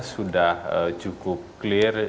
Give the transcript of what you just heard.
sudah cukup clear